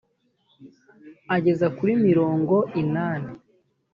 ageza kuri mirongo inani.